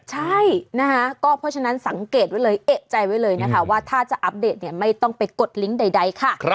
ใช่นะคะก็เพราะฉะนั้นสังเกตไว้เลยเอกใจไว้เลยนะคะว่าถ้าจะอัปเดตเนี่ยไม่ต้องไปกดลิงก์ใดค่ะ